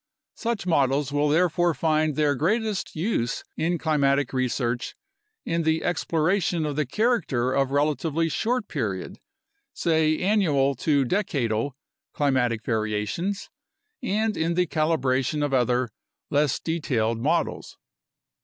Such models will therefore find their greatest use in climatic research in the exploration of the character of relatively short period (say annual to decadal) climatic variations and in the calibration of other, less detailed models.